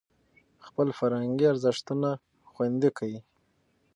خپل فرهنګي ارزښتونه خوندي کړئ.